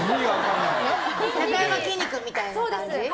なかやまきんに君みたいな感じ？